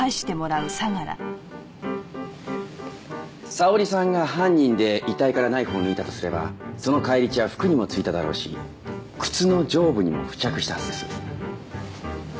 沙織さんが犯人で遺体からナイフを抜いたとすればその返り血は服にも付いただろうし靴の上部にも付着したはずです。